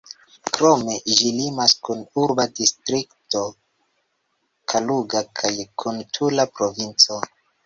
Krome, ĝi limas kun urba distrikto Kaluga kaj kun Tula provinco.